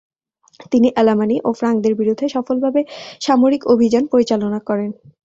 তিনি আলামানি ও ফ্রাঙ্কদের বিরুদ্ধে সফলভাবে সামরিক অভিযান পরিচালনা করেন।